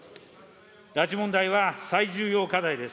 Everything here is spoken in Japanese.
拉致問題は最重要課題です。